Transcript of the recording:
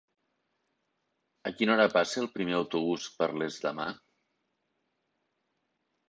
A quina hora passa el primer autobús per Les demà?